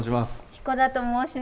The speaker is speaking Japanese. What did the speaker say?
彦田と申します。